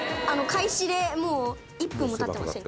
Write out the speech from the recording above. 「開始でもう１分も経ってません」